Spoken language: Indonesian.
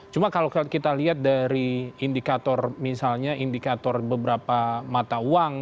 cuma kalau kita lihat dari indikator misalnya indikator beberapa mata uang